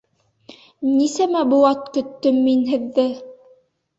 — Нисәмә быуат көттөм мин Һеҙҙе!